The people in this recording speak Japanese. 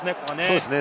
そうですね。